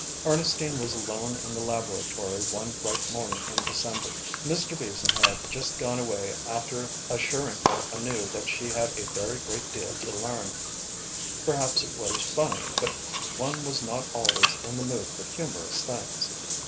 Ernestine was alone in the laboratory one bright morning in December. Mr. Beason had just gone away after assuring her anew that she had a very great deal to learn. Perhaps it was funny, but one was not always in the mood for humorous things.